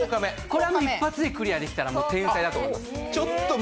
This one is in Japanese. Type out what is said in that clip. これは、一発でクリアできたら天才だと思います。